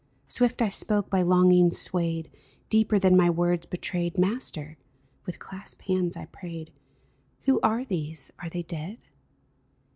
Swift I spoke, by longings swayed Deeper than my words betrayed :" Master," with clasped hands I prayed, ^' Who are these ? Are they the dead